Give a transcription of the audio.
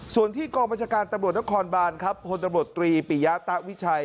ส่วนที่กองบัญชการตำรวจนครบานพตตรีปิยาตะวิชัย